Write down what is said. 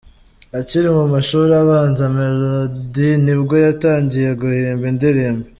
Akiri mu mashuri abanza , Melody nibwo yatangiye guhimba indirimbo.